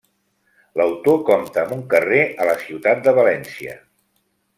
L'autor compta amb un carrer a la ciutat de València.